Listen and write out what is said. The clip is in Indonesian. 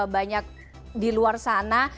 banyak di luar sana